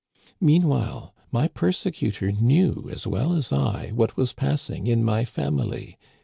" Meanwhile my persecutor knew as well as I what was passing in my family.